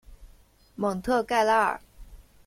蒙特盖拉尔。